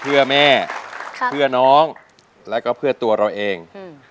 เพื่อแม่เพื่อน้องแล้วก็เพื่อตัวเราเอง